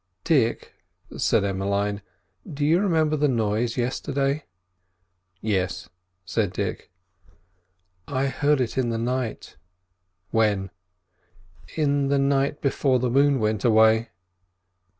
"Dick," said Emmeline, "do you remember the noise yesterday?" "Yes," said Dick. "I heard it in the night." "When?" "In the night before the moon went away."